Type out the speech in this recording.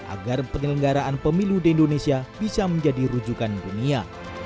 agar penyelenggaraan pemilu di indonesia bisa menjadi rujukan dunia